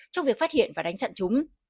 trong việc phát hiện và đánh chặn chúng